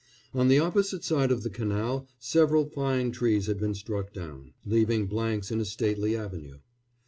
On the opposite side of the canal several fine trees had been struck down, leaving blanks in a stately avenue.